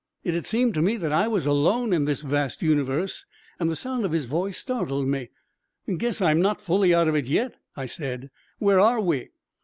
It had seemed to me that I was alone in this vast universe, and the sound of his voice startled me. "Guess I'm not fully out of it yet," I said. "Where are we?"